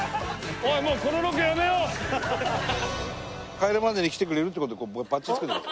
『帰れマンデー』に来てくれるって事でバッジつけてください。